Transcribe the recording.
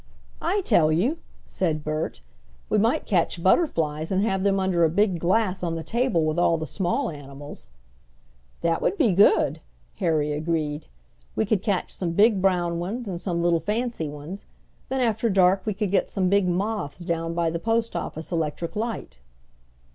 "I tell you!" said Bert. "We might catch butterflies and have them under a big glass on the table with all the small animals." "That would be good," Harry agreed. "We could catch some big brown ones and some little fancy ones. Then after dark we could get some big moths down by the postoffice electric light."